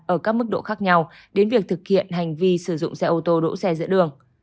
ở các mức độ khác nhau đến việc thực hiện hành vi sử dụng xe ô tô đỗ xe giữa đường